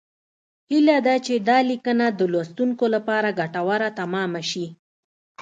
هیله ده چې دا لیکنه د لوستونکو لپاره ګټوره تمامه شي